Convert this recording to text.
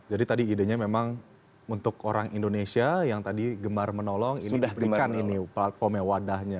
tadi idenya memang untuk orang indonesia yang tadi gemar menolong ini diberikan ini platform yang wadahnya